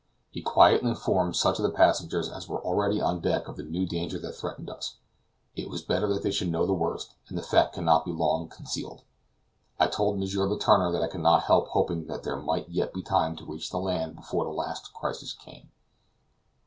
He quietly informed such of the passengers as were already on deck of the new danger that threatened us; it was better that they should know the worst, and the fact could not be long concealed. I told M. Letourneur that I could not help hoping that there might yet be time to reach the land before the last crisis came.